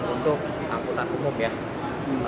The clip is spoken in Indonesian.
untuk angkutan umum ya